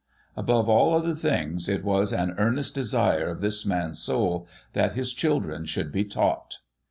Above all other things, it was an earnest desire of this man's soul that his children should be taught.